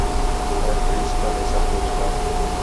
خیر پرنسپل ہے سب ٻُجھ کر